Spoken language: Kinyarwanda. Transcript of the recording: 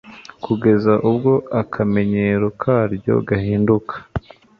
kugeza ubwo akamenyero karyo gahinduka